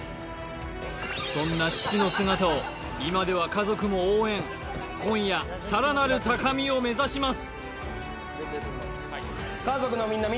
そんな父の姿を今では今夜さらなる高みを目指します